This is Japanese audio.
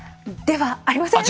ではありません。